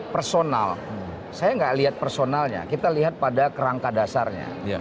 personal saya nggak lihat personalnya kita lihat pada kerangka dasarnya